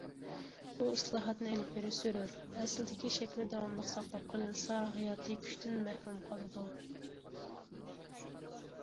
بۇ ئىسلاھاتنى ئېلىپ بېرىش زۆرۈر، ئەسلىدىكى شەكلى داۋاملىق ساقلاپ قېلىنسا ھاياتىي كۈچتىن مەھرۇم قالىدۇ.